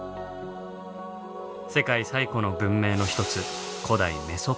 世界最古の文明の一つ